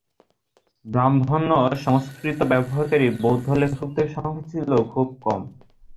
ব্রাহ্মণ্য সংস্কৃত ব্যবহারকারী বৌদ্ধ লেখকের সংখ্যা ছিল খুব কম।